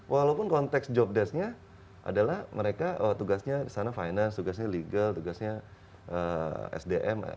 walaupun konteks job desk nya adalah mereka oh tugasnya di sana finance tugasnya legal tugasnya eee sdm